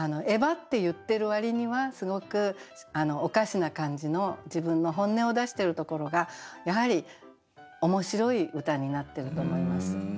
えばって言ってる割にはすごくおかしな感じの自分の本音を出してるところがやはり面白い歌になってると思います。